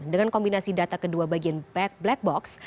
dengan kombinasi data kedua bagian black box